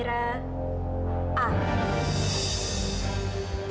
ternyata golongan darah amira